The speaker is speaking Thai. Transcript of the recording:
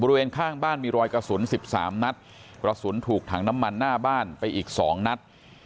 บริเวณข้างบ้านมีรอยกระสุน๑๓นัดกระสุนถูกถังน้ำมันหน้าบ้านไปอีก๒นัด